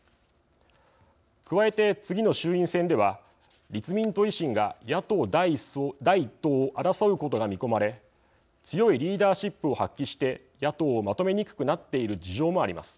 加えて次の衆院選では立民と維新が野党第１党を争うことが見込まれ強いリーダーシップを発揮して野党をまとめにくくなっている事情もあります。